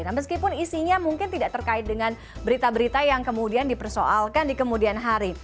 nah meskipun isinya mungkin tidak terkait dengan berita berita yang kemudian dipersoalkan di kemudian hari